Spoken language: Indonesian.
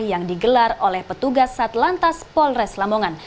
yang digelar oleh petugas satlantas polres lamongan